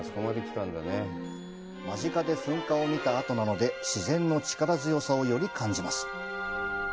間近で噴火を見たあとなので、自然の力強さをより感じます。